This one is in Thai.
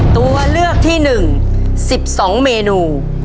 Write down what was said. ตัวเลือกที่๑๑๒เมนู